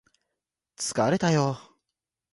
疲れたよ